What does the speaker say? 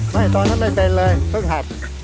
ตอนนั้นไม่เป็นเลยเพิ่งขับ